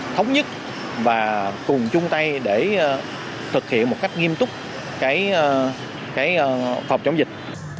thống nhất và cùng chung tay để thực hiện một cách nghiêm túc phòng chống dịch